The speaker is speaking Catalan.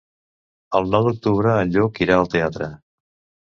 El nou d'octubre en Lluc irà al teatre.